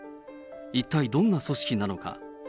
一体どんな組織なのか。